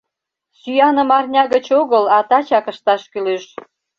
Сӱаным арня гыч огыл, а тачак ышташ кӱлеш!